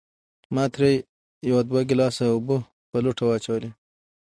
ما ترې يو دوه ګلاسه اوبۀ پۀ لوټه واچولې